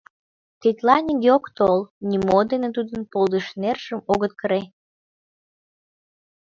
Тетла нигӧ ок тол, нимо дене тудын полдышнержым огыт кыре.